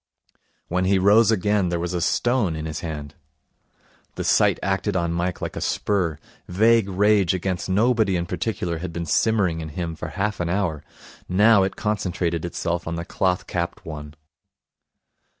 When he rose again there was a stone in his hand. The sight acted on Mike like a spur. Vague rage against nobody in particular had been simmering in him for half an hour. Now it concentrated itself on the cloth capped one.